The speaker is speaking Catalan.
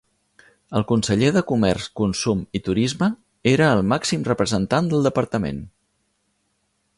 El conseller de Comerç, Consum i Turisme era el màxim representant del departament.